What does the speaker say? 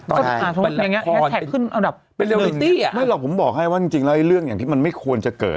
แถบขึ้นอันดับเป็นหนึ่งไม่หรอกผมบอกให้ว่าจริงแล้วเรื่องอย่างที่มันไม่ควรจะเกิด